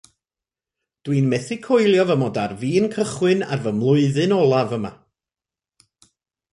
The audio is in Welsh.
Dwi'n methu coelio fy mod ar fin cychwyn ar fy mlwyddyn olaf yma